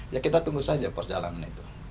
ya kita tunggu saja perjalanan itu